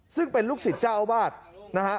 ซึ่งเป็นลูกศิษย์เจ้าอาวาสนะฮะ